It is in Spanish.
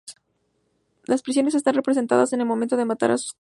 Los prisioneros están representados en el momento de matar a sus captores.